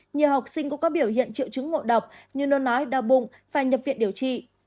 nhiều học sinh cũng có biểu hiện triệu chứng ngộ độc như nôn nói đau bụng phải nhập viện điều trị